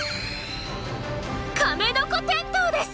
カメノコテントウです！